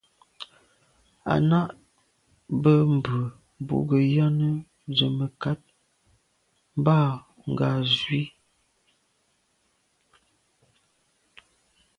À’ nâ’ bə́ mbrə̀ bú gə ́yɑ́nə́ zə̀ mə̀kát mbâ ngɑ̀ zwí.